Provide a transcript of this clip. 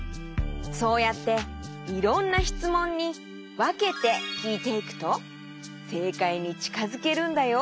そうやっていろんなしつもんにわけてきいていくとせいかいにちかづけるんだよ。